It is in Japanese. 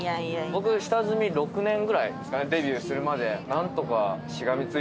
僕下積み６年ぐらいですかねデビューするまで。